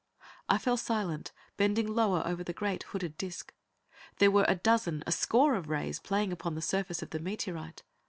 I fell silent, bending lower over the great hooded disc. There were a dozen, a score of rays playing upon the surface of the meteorite.